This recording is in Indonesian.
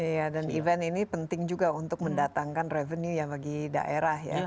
iya dan event ini penting juga untuk mendatangkan revenue ya bagi daerah ya